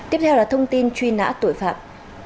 tiếp theo là thông tin truy nã tội phạm